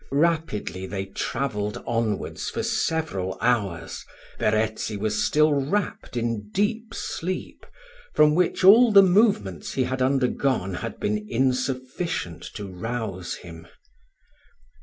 Rapidly they travelled onwards for several hours. Verezzi was still wrapped in deep sleep, from which all the movements he had undergone had been insufficient to rouse him.